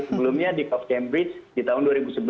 sebelumnya di off cambridge di tahun dua ribu sebelas